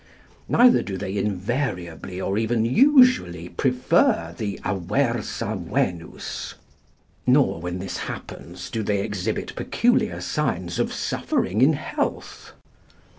Neither do they invariably or even usually prefer the aversa Venus; nor, when this happens, do they exhibit peculiar signs of suffering in health.